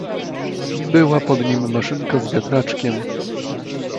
"Była pod nim maszynka z wiatraczkiem..."